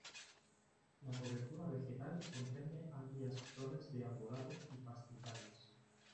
La cobertura vegetal comprende amplias zonas de arbolado y pastizales.